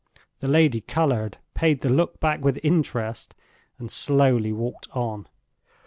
The lady colored, paid the look back with interest, and slowly walked on.